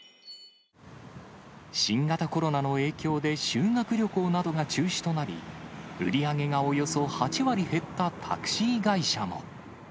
新型コロナの影響で修学旅行などが中止となり、売り上げがおよそ８割減ったタクシー会社も。